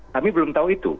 kami belum tahu itu